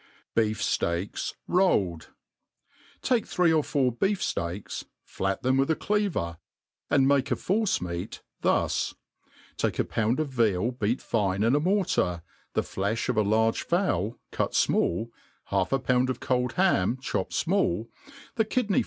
Beef Steaks rolled. TAKE three or four beef fteaks, flat them with a ckavcr^ and make a force meat thus : take a pound of veal beat fine iii a mortar, the flefti of a large fowl cut fmall, half" a pound o( cold ham chopped fmall, the kidney.